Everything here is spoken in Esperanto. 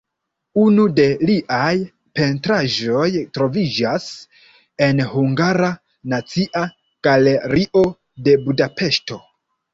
Unu de liaj pentraĵoj troviĝas en Hungara Nacia Galerio de Budapeŝto.